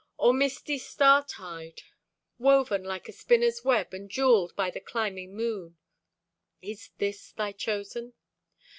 Or misty startide, Woven like a spinner's web and jeweled By the climbing moon—is this thy chosen?